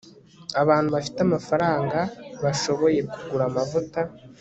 abantu bafite amafaranga bashoboye kugura amavuta